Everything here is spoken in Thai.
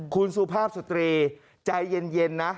คุณสุภาพสตรีใจเย็นนะ